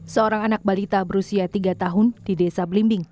seorang anak balita berusia tiga tahun di desa blimbing